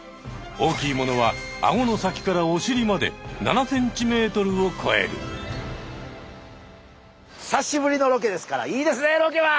大きいものはアゴの先からおしりまで久しぶりのロケですからいいですねロケは！